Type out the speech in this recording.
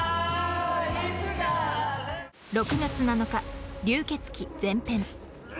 ６月７日、「流血鬼前編」。